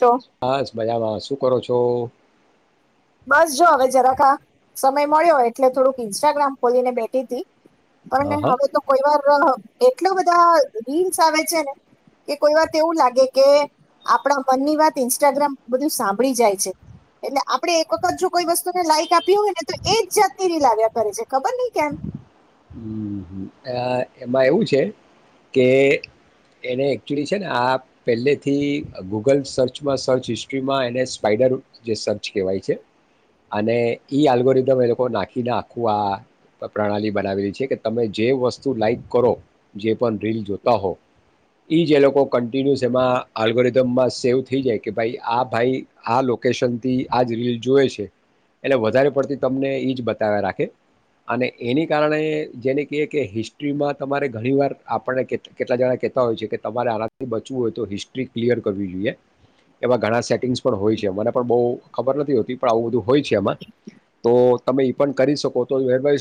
છો બસ બજામાં શું કરો છો તો બસ જો હવે જરાક આ સમય મળ્યો એટલે થોડુંક ઇન્સ્ટાગ્રામ ખોલીને બેઠી હતી હા અને હા હવે તો કોઈ વાર એટલો બધા રીલ્સ આવે છે ને કે કોઈ વાત એવું લાગે કે આપણા મનની વાત ઇન્સ્ટાગ્રામ બધું સાંભળી જાય છે એટલે આપણે એક વખત જો કોઈ વસ્તુને લાઈક આપી આપી હોને તો એ જ જાતની રીલ આવે વ્યા કરે છે ખબર ની હમ આ એમાં એવું છે કે એને એકચુલી છે ને આ પહેલેથી ગૂગલ સર્ચમાં સર્ચ હિસ્ટ્રીમાં એને સ્પાઈડર જે સર્ચ કહેવાય છે અને ઈ આલ્ગોરિધમ એ લોકો નાખીને આખું આ પ્રણાલી બનાવેલી છે કે તમે જે વસ્તુ લાાઈક કરો જે પણ રીલ જોતા હોવ એ જ એ લોકો કન્ટિન્યુસ એમાં આલ્ગોરિધમમાં સેવ થઈ જાય કે ભાઈ આ ભાઈ આ લોકેશનથી આ જ રીલ જોએ છે એટલે વધારે પડતી તમને એ જ બતાવ્યા રાખે અને એની કારણે જેને કહીએ કે હિસ્ટ્રીમાં તમારે ઘણીવાર આપણને કેટલા જણા કહેતા હોય છે કે તમારે આનાથી બચવું હોય તો હિસ્ટ્રી ક્લિયર કરવી જોઈએ એવા ઘણા સેટિંગ્સ પણ હોય છે મને પણ બો ખબર નથી હોતી પણ આવું બધું હોય છે એમાં તો તમે એ પણ કરી શકો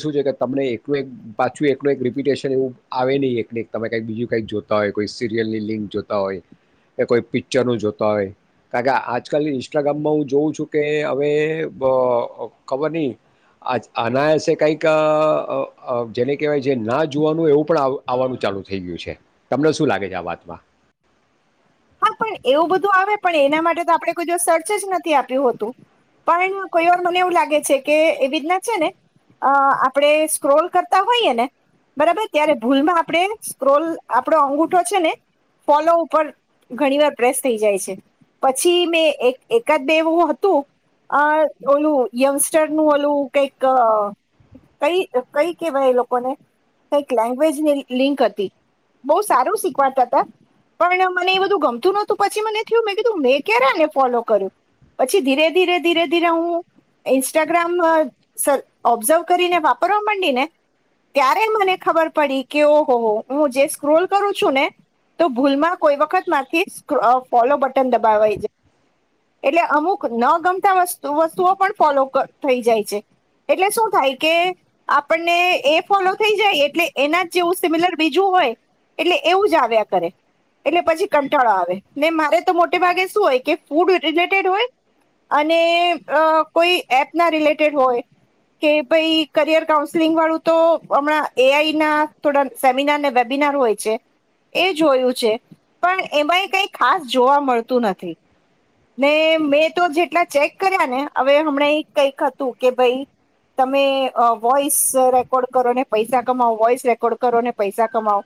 તમને એક એક પાછું એકનું એક રિપિટેશન એવું આવે નહીં એક તમે કંઈક બીજું કંઈક જોતા હોય કોઈ સિરિયલની લિંક જોતા હોય કે કોઈ પિક્ચરનું જોતા હોય કારણ કે આજકાલ ઇન્સ્ટાગ્રામમાં હું જોઉં છું કે હવે વ અ ખબર નહીં અનાયસે કંઈક ક અ અ જેને કહેવાય ના જોવાનું એવું પણ આવ આવવાનું ચાલુ થઈ ગયું છે તમને શું લાગે છે આ વાતમાં હા પણ એવું બધું આવે પણ એના માટે તો આપણે કોઈ દિવ સર્ચ જ નથી આપ્યું હોતું પણ કોઈ વાર મને એવું લાગે છે કે એવી રીતના છે ને અ આપણે સ્ક્રોલ કરતા હોઈએ ને બરાબર ત્યારે ભૂલમાં આપણે સ્ક્રોલ આપણો અંગુઠો છે ને ફોલો ઉપર ઘણી વાર પ્રેસ થઈ જાય છે પછી મેં એક એકાદ બેવું હતું અ ઓલું યંગસ્ટર નું ઓલું કઈક કઈ કઈ કેહેવાય એ લોકોને કઈક લેંગ્વેજની લિંક હતી બો સારું શીખવાતા હતા પણ મને એ [unintelligible] પછી મને થયું મે કીધું મેં કેને ફોલો કર્યું પછી ધીરે ધીરે ધીરે ધીરે હું ઇન્સ્ટાગ્રામ સ ઓબ્ઝર્વ કરીને વાપરવા માંડી ને ત્યારે મને ખબર પડી કે ઓહો હો હું જે સ્ક્રોલ કરું છું ને તો ભૂલમાં કોઈ વખત મારથી સ્કોર ફોલો બટન દબય જાય એટલે અમુક ન ગમતા વસ્તુ વસ્તુઓ પણ ફોલો થઈ જાય છે એટલે શું થાય કે આપણને એ ફોલો થઈ જાય એટલે એના જ જેવું સિમિલર બીજું હોય એટલે એવું જ આવ્યા કરે એટલે પછી કંટાળો આવે ને મારે તો મોટે ભાગે શું હોય કે ફૂડ રિલેટેડ હોય અને અ કોઈ એપ ના રિલેટેડ હોય કે ભાઈ કરિયર કાઉન્સેલિંગ વાળું તો હમણાં એઆઈ ના થોડા સેમિનાર વેબિનાર હોય છે એ જોયું છે પણ એમાં એ કઈ ખાસ જોવા મળતું નથી ને મેં તો જેટલા ચેક કર્યા ને હવે હમણાં એ કંઈક હતું કે ભાઈ તમે અ વોઇસ રેકોર્ડ કરો ને પૈસા કમાવો વોઈસ રેકોર્ડ કરો ને પૈસા કમાવો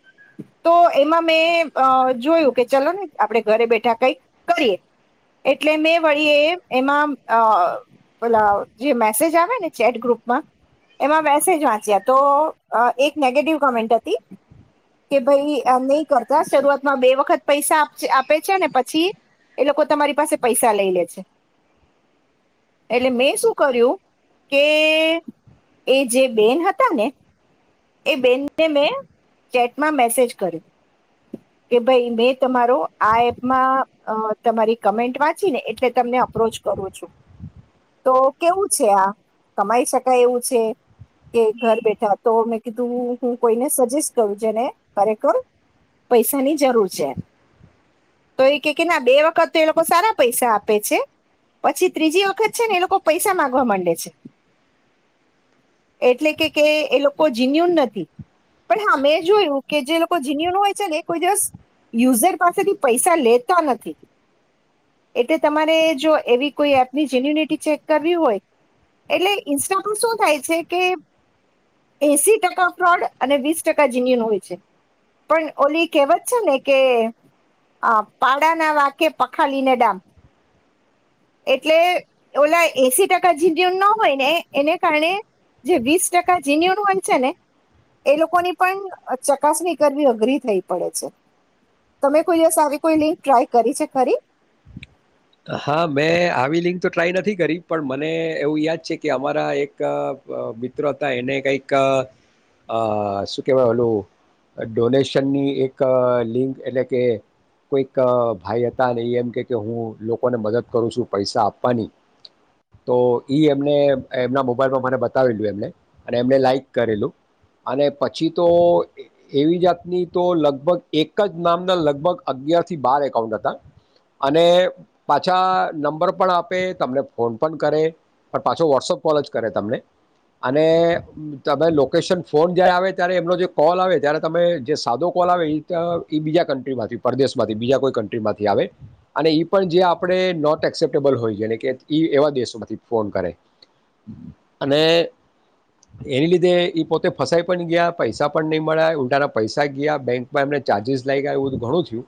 તો એમાં મેં અ જોયું કે ચલો ને આપણે ઘરે બેઠા કઈ કરીએ એટલે મેં વળીએ એમાં અ પેલા જે મેસેજ આવે ને ચેટ ગ્રુપમાં એમાં મેસેજ વાંચ્યા તો એક અ નેગેટિવ કોમેન્ટ હતી કે ભાઈ નહી કરતા શરૂઆતમાં બે વખત પૈસા આપે છે ને પછી એ લોકો તમારી પાસે પૈસા લઈ લે છે એટલે મેં શું કર્યું કે એ જે બેન હતા ને એ બેનને મેં ચેટમાં મેસેજ કર્યું કે ભાઈ મે તમારો આ એપમાં અ તમારી કમેન્ટ વાંચી ને એટલે તમને અપ્રોચ કરું છું તો કેવું છે આ કમાઈ શકાય એવું છે કે ઘર બેઠા તો મેં કીધું હું કોઈને સજેસ્ટ કરું જેને ખરેખર પૈસાની જરૂર છે તો એ કે કેય ના બે વખત તો એ લોકો સારા પૈસા આપે છે પછી ત્રીજી વખત છે ને એ લોકો પૈસા માંગવા માંડે છે એટલે કે કે એ લોકો જીન્યુન નથી પણ હા મેં જોયું કે જે લોકો જીન્યુન હોય છે ને એ કોઈ દિવસ યુઝર પાસેથી પૈસા લેતા નથી એટલે તમારે જો એવી કોઈ એપની જેન્યુનિટી ચેક કરવી હોય એટલે ઇન્સ્ટા પર શું થાય છે કે એસી ટકા ફ્રોડ અને વીસ ટકા જન્યુન હોય છે પણ ઓલી કહેવત છે ને કે પાડાના વાકે પખાલીને ડામ એટલે ઓલા એસી ટકા જીન્યુ ના હોય ને એને કારણે જે વીસ ટકા જીન્યુન વન છે ને એ લોકોની પણ ચકાસણી કરવી અઘરી થઈ પડે છે તમે કોઈ દિવસ આવી કોઈ લિંક ટ્રાય કરી છે ખરી. હા મેં આવી લિંક તો ટ્રાય નથી કરી પણ મને એવું યાદ છે કે અમારા એક અ મિત્ર હતા એને કંઈક અ શું કેહેવાય ઓલું ડોનેશનની એક લિંક એટલે કે કોઈક ભાઈ હતા અને એમ કે કે હું લોકોને મદદ કરું છું પૈસા આપવાની તો ઈ એમને એમના મોબાઈલમાં મને બતાવેલું એમને અને એમને લાાઈક કરેલું અને પછી તો એવી જાતની તો લગભગ એક જ નામના લગભગ અગિયારથી બાર એકાઉન્ટ હતા અને પાછા નંબર પણ આપે તમને ફોન પણ કરે પણ પાછો વોટ્સઅપ કોલ જ કરે તમને અને તમે લોકેશન ફોન જ્યારે આવે ત્યારે એમનો જે કોલ આવે ત્યારે તમે જે સાદો કોલ આવે ઈતો એ બીજા કન્ટ્રીમાંથી પરદેશમાંથી બીજા કોઈ કન્ટ્રીમાંથી આવે અને ઈ પણ જે આપણે નોટ એક્સેપ્ટેબલ હોઈ જેરેકે ઈ એવા દેશોમાંથી ફોન કરે અને એની લીધે એઈ પોતે ફસાઈ પણ ગયા પૈસા પણ નહીં મળ્યા ઉઊલટાના પૈસા ગયા બેંકમાં એમને ચાર્જિસ લાગ ગયા એવું ઘણું થયું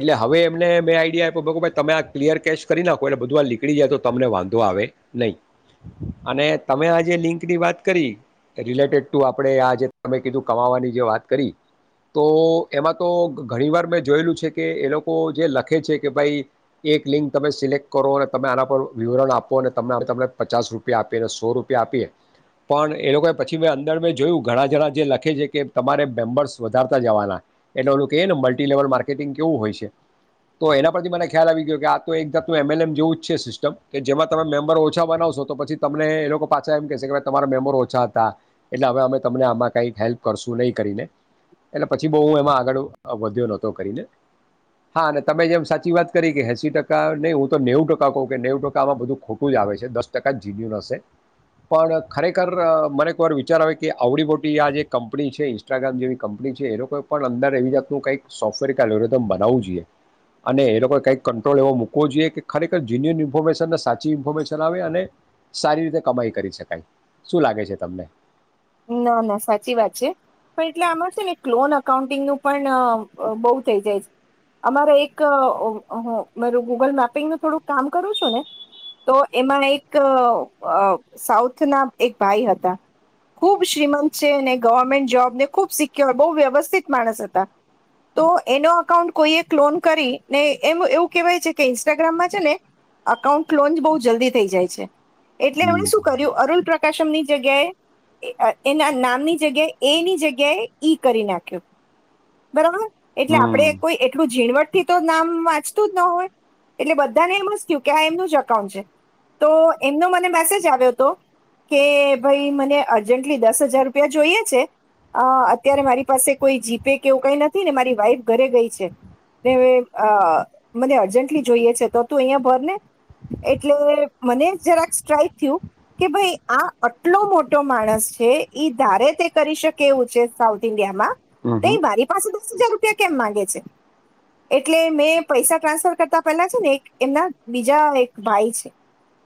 એટલે હવે એમને મેં આઈડિયા આપ્યો બકુ બાઈ. તમે આ ક્લિયર કેશ કરી નાખો એટલે બધું વા નીકળી જાય તો તમને વાંધો આવે નહીં અને તમે આ જે લિંક ની વાત કરી રિલેટેડ ટુ આપણે આ જે ત કીધું કમાવાની જે વાત કરી તો એમાં તો ઘણી વાર મેં જોયેલું છે કે એ લોકો જે લખે છે કે ભાઈ એક લિંક તમે સિલેક્ટ કરો અને તમે આના પર વિવરણ આપો અને ત તમને પચાસ રૂપિયા આપીએ અને સો રૂપિયા આપીએ પણ એ લોકો પછી મે અંદર મે જોયું ઘણા જણા જે લખે છે કે તમારે મેમ્બર્સ વધારતા જવાના એટલે ઓલુ કને મલ્ટીલેેવલ માર્કેટિંગ કેવું હોય છે તો એના પરથી મને ખ્યાલ આવી ગયો કે આ તો એક જાાતનું એમેલેમ જેવું જ છે સિસ્ટમ કે જેમાં તમે મેમ્બર ઓછા બનાવશો તો પછી તમને એ લોકો પાછા એમ કહેશે કે ભાઈ તમારા મેમ્બર ઓછા હતા એટલે હવે અમે તમને આમાં કંઈક હેલ્પ કરશું નહીં કરીને એટલે પછી બહુું એમાં આગળ વધ્યો નહોતો કરીને હા અને તમે જેમ સાચી વાત કરી કે એંસી ટકા નહીં હું તો નેવું ટકા કહું કે નેવું ટકા આમાં બધું ખોટું જ આવે છે દસ ટકા જીનયુ ન હશે પણ ખરેખર મને એકવાર વિચાર આવે કે આવડી મોટી આ જે કંપની છે ઇન્સ્ટાગ્રામ જેવી કંપની છે એ લોકોએ પણ અંદર એવી જાતનું કંઈક સોફ્ટવેર કે એલરિધમ બનાવવું જોઈએ અને એ લોકોએ કઈક કંટ્રોલ એવો મુકવો જોઈએ કે ખરેખર જીન્યુન ઇન્ફોર્મેશન ને સાચી ઇન્ફોર્મેશન આવે અને સારી રીતે કમાઈ કરી શકાય શું લાગે છે તમને. ના ના સાચી વાત છે પણ એટલે આમાં છે ને એક લોન અકાઉન્ટિંગનું પણ બહુ થઇ જાય છે અમારે એક હ મારું ગુગલ મેપિંગનું થોડુંક કામ કરું છું ને તો એમાં એક સાઉથ ના એક ભાઈ હતા. ખૂબ શ્રીમંત છે ને ગવર્મેન્ટ જોબ ને ખૂબ સિક્યોર બહુ વ્યવસ્થિત માણસ હતા તો એનો અકાઉન્ટ કોઈએ ક્લોન કરી ને એમ એવું કહેવાય છે કે ઇન્સ્ટાગ્રામમાં છે ને અકાઉન્ટ ક્લોનજ બહુ જલ્દી થઈ જાય છે. એટલે હમ એમણે શું કર્યું અરુલ પ્ર પ્રશમની જગ્યાએ એના નામની જગ્યાએ એની જગ્યાએ ઈ કરી નાખ્યો બરાબર. એટલે આપડે હમ કોઈ એટલું ઝીણવટ થી તો નામ વાંચતું જ ન હોય એટલે બધાને એ મસ્તું કે આ એમનું જ અકાઉન્ટ છે તો એમનો મને મેસેજ આવ્યો હતો કે ભાઈ મને અર્જન્ટલી દસ હજાર રૂપિયા જોઈએ છે અ અત્યારે મારી પાસે કોઈ જીપે કેવું કઈ નથી ને મારી વાઈફ ઘરે ગઈ છે તે આ મને અર્જન્ટલી જોઈએ છે તો તું અહીંયા ભર ને એટલે મને જરાક સ્ટ્રાઈક થયું કે ભાઈ અટલો મોટ માણશ છે એ ધારે તે કરી શકે એવું છે સાઉથ ઇન્ડિયામાં હમ તે હમ મારી પાસે દસ હજાર રૂપિયા કેમ માંગે છે એટલે મેં પૈસા ટ્રાન્સફર કરતા પેલા છે ને એક એમના બીજા એક ભાઈ છે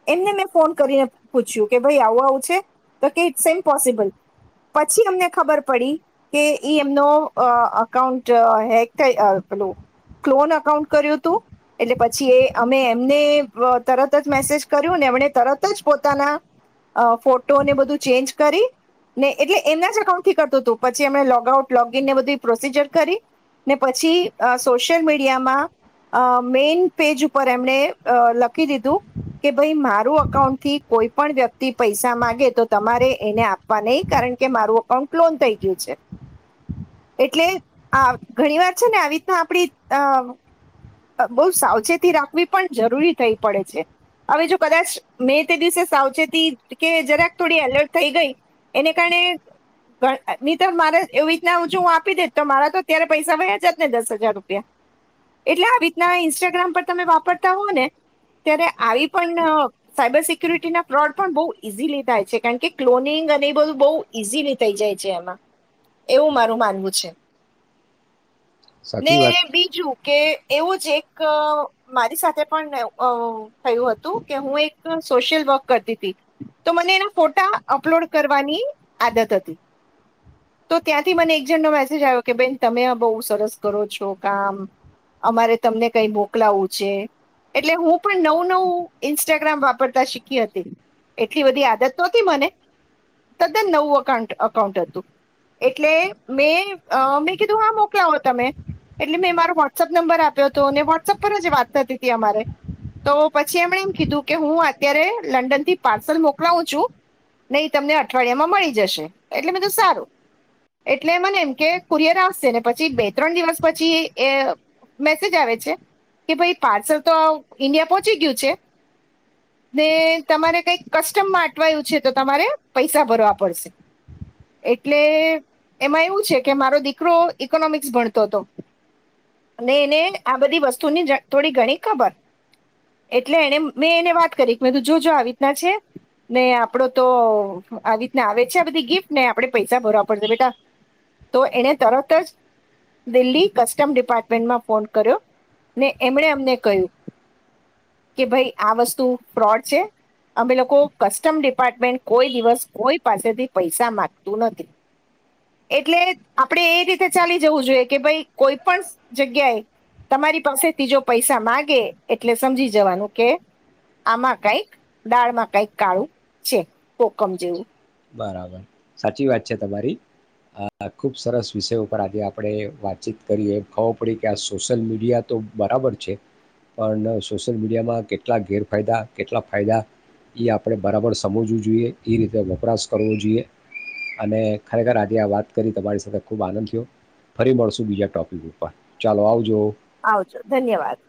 એમને મે ફોન કરીને પૂછ્યું કે ભાઈ આવું આવું છે. તો કે ઈટ્સ એઇમ્પોસિબલ પછી અમને ખબર પડી કે ઈ એમનો અ અકાઉન્ટ હેક થ પેલું ક્લોન અકાઉન્ટ કર્યું હતું એટલે પછી એ અમે એમને તરત જ મેસેજ કર્યું ને એમણે તરત જ પોતાના ફોટોને બધું ચેન્જ કરી એટલે એમના જ અઉન્ટથી કરતું હતું પછી એમ લોગ આઉટ લોગ નને બધું પ્રોસીજર કરી ને પછી સોશિયલ મીડિયામાં મેન પેજ ઉપર એમણેઅ લખી દીધું કે ભાઈ મારું અકાઉન્ટથી કોઈ પણ વ્યક્તિ પૈસા માંગે તો તમારે એને આપવા નહી કારણ કે મારું અકાઉન્ટ ક્લોન થઈ ગયું છે એટલે આ ઘણી વાર છે ને આવી રીતના આપડી બઉ સાવચેતી રાખવી પણ જરૂરી થઈ પડે છે હવે જો કદાચ મેં તે દિવસે સાવચેતી કે જરાક થોડી એલર્ટ થઈ ગઈ એને કારણે મ તો મારે એવી રીતના હ જો હું આપી દેશ તો મારા તો અત્યારે પૈસા વ્યા જત ને દસ હજાર રૂપિયા એટલે આવી રીતના ઇન્સ્ટાગ્રામ પર તમે વાપરતા હોવ ને ત્યારે આવી પણ સાયબર સિક્યુરિટીના ફ્રોડ પણ બહુ ઈજીલી થાય. છે કારણ કે ક્લોનિંગ અને એ બધું બહુ ઈઝીલી થઈ જાય છે એમાં એવું માર માનવું છે. ને સાચી વાત બીજું કે એવું જ એક મારી સાથે પણ અ થયું હતું કે હું એક સોશિયલ વર્ક કરતી હતી તો મને એનો ફોટા અપલોડ કરવાની આદત હતી તો ત્યાંથી મને એક જણનો મેસેજ આવ્યો કે બેન તમે બહુ સરસ કરો છો કામ અમારે તમને કઈ મોકલાવું છે એટલે હું પણ નવું નવું ઇન્સ્ટાગ્રામ વાપરતા શીખી હતી એટલી બધી આદત તો મને તદ્દન નવું અઉ અકાઉન્ટ હતું એટલે મેં અ મેં કીધું હા મોકલાઓ તમે એટલે મેં મારો વોટ્સઅપ નંબર આપ્યો હતો અને વોટ્સઅપ પર જ વાત થતી હતી અમારે તો પછી એમણે એમ કીધું કે હું અત્યારે લંડન થી પાર્સલ મોકલાવું છું. નહી તમને અઠવાડિયામાં મળી જશે એટલે બધું સારું એટલે મને એમ કે કુરિયર આવ ને પછી બે ત્રણ દિવસ પછી એ મેસેજ આવે છે કે ભાઈ પાર્સલ તો ઈન્ડિયા પહોંચી ગયું છે ને તમારે કઈક કસ્ટમ માટે અવાયું છે તો તમારે પૈસા ભરવા પડશે એટલે એમાં એવું છે કે મારો દીકરો ઈકોનોમિક્સ ભણતો હતો અને એને આ બધી વસ્તુની થોડી ઘણી ખબર એટલે એને મેં એને વાત કરી મે તું જો જો આવી રીતના છે. ને આપડો તો આવીતના આવે છે આ બધી ગિફ્ટ ને આપણે પૈસા ભરવા પડશે બેટા તો એને તરત જ દિલ્હી કસ્ટમ ડિપાર્ટમેન્ટમાં ફોન કર્યો ને એમણે અમને કહ્યું કે ભાઈ આ વસ્તુ ફ્રોડ છે અમે લોકો કસ્ટમ ડિપાર્ટમેન્ટ કોઈ દિવસ કોઈ પાસેથી પૈસા મામાંગતું નથી એટલે આપણેે એ રીતે ચાલી જવું જોઈએ કે ભાઈ કોઈ પણ જગ્યાએ તમારી પાસે ત્રીજો પૈસા માગે એટલે સમજી જવાનું કે આમાં કઈક દાળમા કઈ કાળું છે. જેવું બરાબર સાચી વાત છે તમારી આ ખુબ સરસ વિષયો ઉપ આજે આપણે વાતચીત કરી એમ ખબર પડી કે આ સોશિયલ મીડિયા તો બરાબર છે પણ સોશિયલ મીડિયામાં કેટલા ગેરફાયદા કેટલા ફાયદા એ આપણે બરાબર સમજવું જોઈએ. એ રીતે વપરાશ કરવો જોઈએ અને ખરેખર આજે આ વાત કરી તમારી સાથે ખૂબ આનંદ થયો ફરી મળશું બીજા ટૉપિક ઉપર ચાલો આવજો. આવજો ધન્યવાદ.